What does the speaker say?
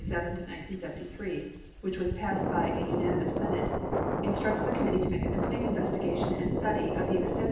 7, 1973) 2 which was passed by a unanimous Senate, in structs the committee to make a "complete" investigation and study "of the extent